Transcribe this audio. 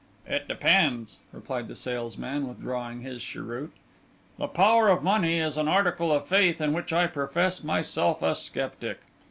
'It depends,' replied the salesman, withdrawing his cheroot. 'The power of money is an article of faith in which I profess myself a sceptic.